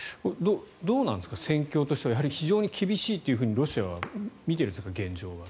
どうなんですか戦況としては非常に厳しいと、現状はロシアは見ているんですか。